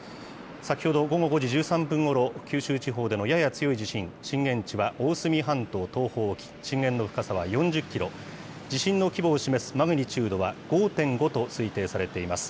先ほど、午後５時１３分ごろ、九州地方でのやや強い地震、震源地は大隅半島東方沖、震源の深さは４０キロ、地震の規模を示すマグニチュードは５．５と推定されています。